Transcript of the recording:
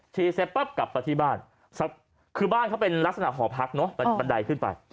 กลับกลับไปที่บ้านคือบ้านเขาเป็นลักษณะหอพักบันไดขึ้นไป